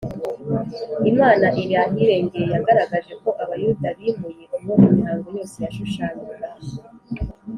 imana iri ahirengeye yagaragaje ko abayuda bimuye uwo imihango yose yashushanyaga